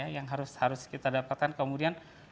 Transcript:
yang harus kita dapatkan kemudian